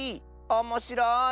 おもしろい！